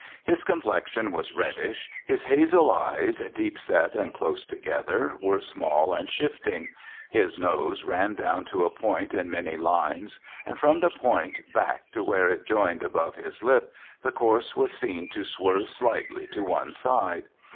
His complexion was reddish. His hazel eyes deepset and close together were small and shifting. His nose ran down to a point in many lines, and from the point back to where it joined above his lip, the course was seen to swerve slightly to one side.